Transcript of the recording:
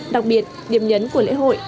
đặc biệt điểm nhấn của lễ hội